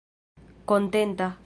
kontenta